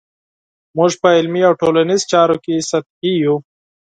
موږ په علمي او ټولنیزو چارو کې سطحي یو.